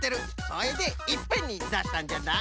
それでいっぺんにだしたんじゃな。